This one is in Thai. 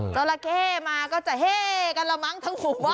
จอราเค้มาก็จะเฮ้กันละมั้งทั้งหัวบ้าน